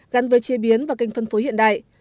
gắn với chế biến và kênh phân phối hiện đại